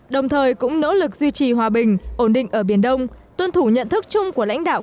đồng thời cũng nỗ lực duy trì hòa bình ổn định ở biển đông tuân thủ nhận thức chung của lãnh đạo